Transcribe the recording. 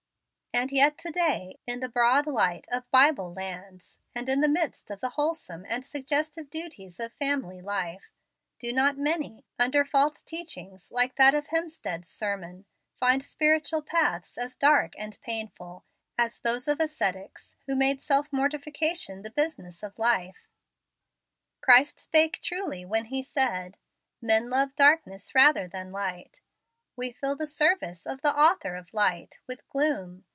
And yet, to day, in the broad light of Bible lands, and in the midst of the wholesome and suggestive duties of family life, do not many, under false teachings like that of Hemstead's sermon, find spiritual paths as dark and painful as those of ascetics who made self mortification the business of life? Christ spake truly when He said, "Men love darkness rather than light." We fill the service of the Author of Light with gloom.